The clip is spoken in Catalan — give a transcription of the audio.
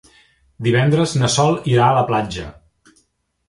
Divendres na Sol irà a la platja.